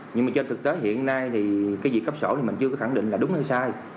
nhưng mà trên thực tế hiện nay thì cái việc cấp sổ thì mình chưa có khẳng định là đúng hay sai